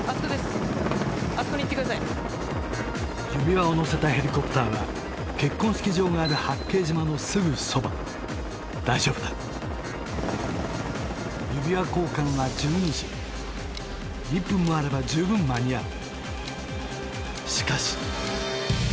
指輪を乗せたヘリコプターは結婚式場がある八景島のすぐそば大丈夫だ指輪交換は１２時１分もあれば十分間に合う